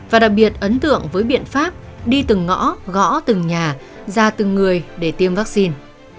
và đặc biệt ấn tượng với biện pháp đi từng ngõ gõ từng nhà ra từng người để tiêm vaccine